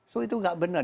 so itu nggak benar